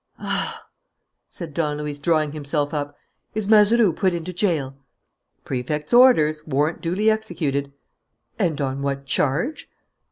"Ah!" said Don Luis, drawing himself up. "Is Mazeroux put into jail?" "Prefect's orders, warrant duly executed." "And on what charge?"